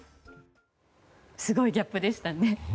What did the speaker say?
すごいギャップでしたね。